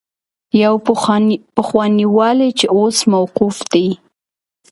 يو پخوانی والي چې اوس موقوف دی.